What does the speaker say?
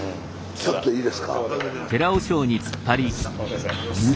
ちょっといいすか？